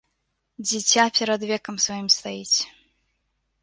Дзіця перад векам сваім стаіць.